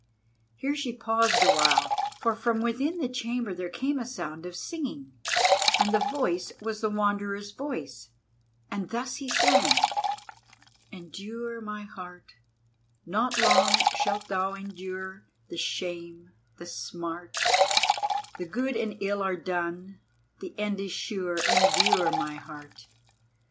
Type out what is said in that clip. Here she paused awhile, for from within the chamber there came a sound of singing, and the voice was the Wanderer's voice, and thus he sang: "Endure, my heart: not long shalt thou endure The shame, the smart; The good and ill are done; the end is sure; Endure, my heart!